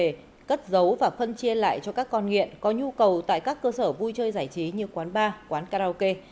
các người có thể cất giấu và phân chia lại cho các con nghiện có nhu cầu tại các cơ sở vui chơi giải trí như quán bar quán karaoke